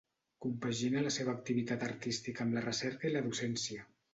Compagina la seva activitat artística amb la recerca i la docència.